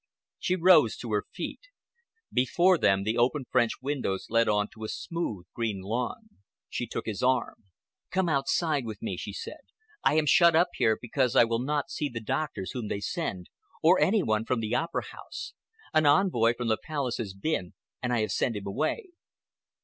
She rose to her feet. Before them the open French windows led on to a smooth green lawn. She took his arm. "Come outside with me," she said. "I am shut up here because I will not see the doctors whom they send, or any one from the Opera House. An envoy from the Palace has been and I have sent him away."